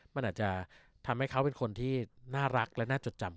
มันอาจจะทำให้เขาเป็นคนที่น่ารักและน่าจดจำ